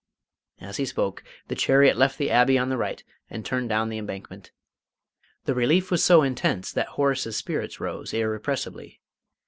As he spoke, the chariot left the Abbey on the right and turned down the Embankment. The relief was so intense that Horace's spirits rose irrepressibly.